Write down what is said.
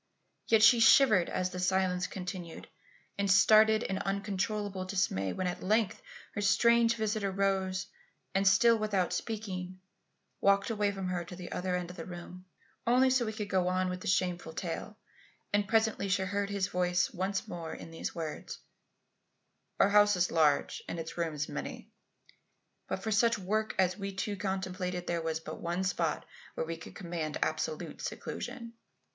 Yet she shivered as the silence continued, and started in uncontrollable dismay when at length her strange visitor rose, and still, without speaking, walked away from her to the other end of the room. Only so could he go on with the shameful tale; and presently she heard his voice once more in these words: "Our house is large and its rooms many; but for such work as we two contemplated there was but one spot where we could command absolute seclusion.